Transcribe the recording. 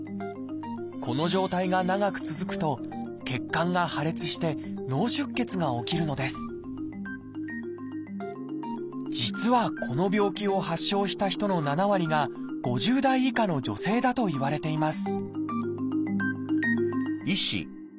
この状態が長く続くと血管が破裂して脳出血が起きるのです実はこの病気を発症した人の７割が５０代以下の女性だといわれています